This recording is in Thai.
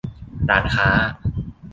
ร้านค้า